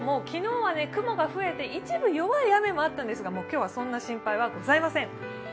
昨日は雲が増えて一部弱い雨もあったんですが今日は、そんな心配はございません！